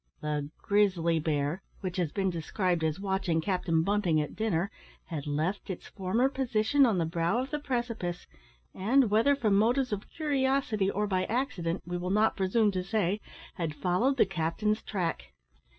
The grizzly bear, which has been described as watching Captain Bunting at dinner, had left its former position on the brow of the precipice, and, whether from motives of curiosity, or by accident, we will not presume to say, had followed the captain's track.